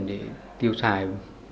để tiêu xài